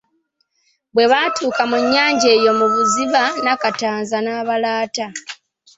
Bwe baatuuka mu nnyanja eyo mu buziba Nakatanza n'abalaata.